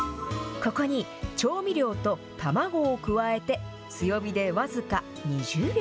ここに調味料と卵を加えて、強火で僅か２０秒。